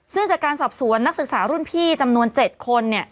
ซึ่งจากการสอบสวนนักศึกษารุ่นพี่จำนวน๗คน